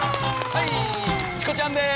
はいチコちゃんです